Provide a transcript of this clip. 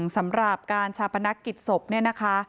สำหรับการชาปนักกิจศพเนี่ยนะคะ